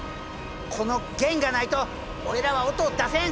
この弦がないと俺らは音を出せん！